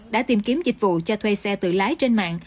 đã tìm kiếm dịch vụ cho thuê xe tự lái trên mạng